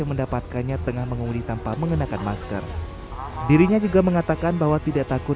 mendapatkannya dengan mengundi tanpa menggunakan masker dirinya juga mengatakan bahwa tidak takut